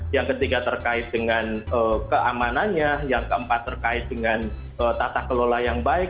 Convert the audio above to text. yang ketiga terkait dengan keamanannya yang keempat terkait dengan tata kelola yang baik